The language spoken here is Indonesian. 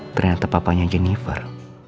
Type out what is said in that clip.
ternyata papanya jennifer